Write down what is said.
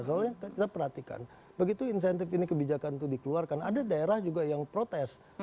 soalnya kita perhatikan begitu insentif ini kebijakan itu dikeluarkan ada daerah juga yang protes